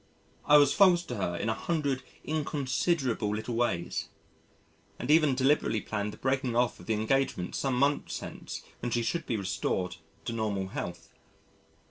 I was false to her in a hundred inconsiderable little ways and even deliberately planned the breaking off of the engagement some months hence when she should be restored to normal health.